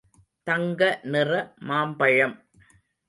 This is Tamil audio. தங்க நிற மாம்பழம்.